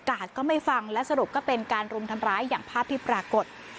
ก็ไม่ฟังและสรุปก็เป็นการรุมทำร้ายอย่างภาพที่ปรากฏ